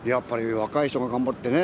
若い人が頑張ってね。